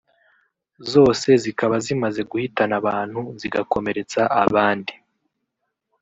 zose zikaba zimaze guhitana abantu zigakomeretsa abandi